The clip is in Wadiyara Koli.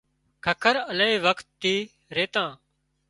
ککر الاهي وکت ٿي ريتان